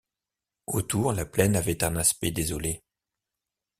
Autour, la plaine avait un aspect désolé.